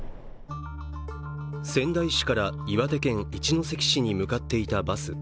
仙台市から、岩手県一関市に向かっていたバス。